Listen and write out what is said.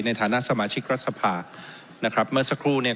ในฐานะสมาชิกรัฐสภานะครับเมื่อสักครู่เนี่ย